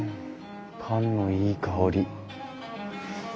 パンのいい香り。